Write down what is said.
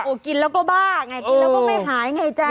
กินแล้วก็บ้าไงกินแล้วก็ไม่หายไงจ๊ะ